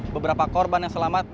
beberapa korban yang selamat